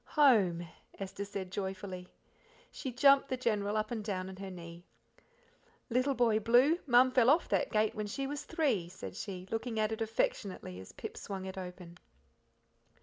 "Home!" Esther said joyfully. She jumped the General up and down on her knee. "Little Boy Blue, Mum fell off that gate when she was three," said she, looking at it affectionately as Pip swung it open.